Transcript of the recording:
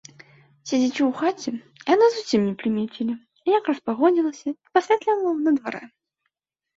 Седзячы ў хаце, яны зусім не прымецілі, як распагодзілася і пасвятлела на дварэ.